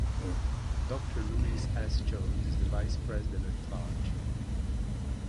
Doctor Louis S. Jones is the Vice President at Large.